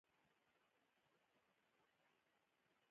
د کړکۍ لور ته ور تېر شوم، دباندې مې وکتل.